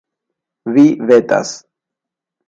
Vi vetas.